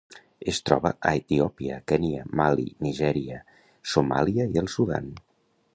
Es troba a Etiòpia, Kenya, Mali, Nigèria, Somàlia i el Sudan.